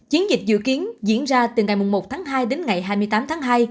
chiến dịch dự kiến diễn ra từ ngày một tháng hai đến ngày hai mươi tám tháng hai